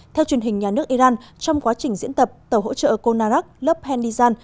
theo truyền hình nhà nước iran trong quá trình diễn tập tàu hỗ trợ konarak lớp handizan